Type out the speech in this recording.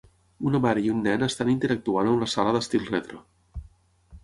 Una mare i un nen estan interactuant a una sala d"estil retro.